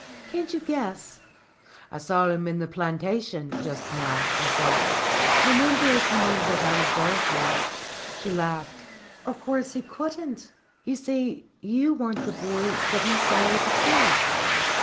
Can't you guess?" "I saw him in the plantation just now," I said. "I wonder if he knew what I was there for." She laughed. "Of course he couldn't! You see, you weren't the boy that he saw with the key."